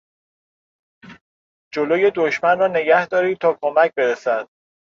جلو دشمن را نگهدارید تا کمک برسد.